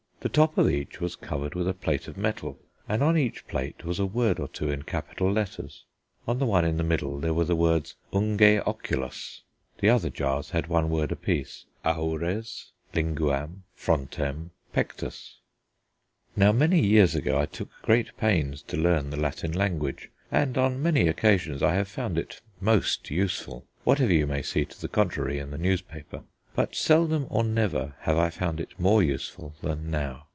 The top of each was covered with a plate of metal and on each plate was a word or two in capital letters. On the one in the middle there were the words unge oculos, the other jars had one word apiece, aures, linguam, frontem, pectus. Now, years ago, I took great pains to learn the Latin language, and on many occasions I have found it most useful, whatever you may see to the contrary in the newspaper: but seldom or never have I found it more useful than now.